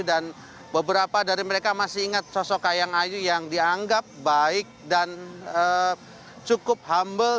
dan beberapa dari mereka masih ingat sosok kahiyang ayu yang dianggap baik dan cukup humble